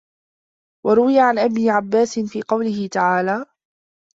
وَرُوِيَ عَنْ ابْنِ عَبَّاسٍ فِي قَوْله تَعَالَى